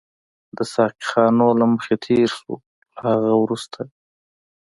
د ساقي خانو له مخې تېر شوو، له هغه وروسته.